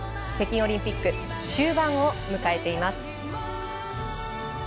北京オリンピック終盤を迎えています。